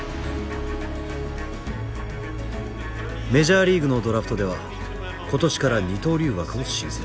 メジャーリーグのドラフトでは今年から二刀流枠を新設。